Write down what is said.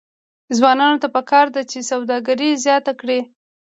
ځوانانو ته پکار ده چې، سوداګري زیاته کړي.